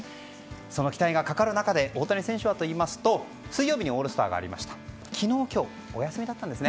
その期待がかかる中で大谷選手はといいますと水曜日にオールスターがあって昨日、今日はお休みだったんです。